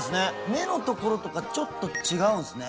目のところとかちょっと違うんですね